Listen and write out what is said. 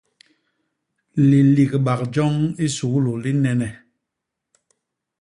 Liligbak joñ i suglu li nnene.